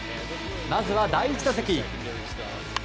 まずは第１打席。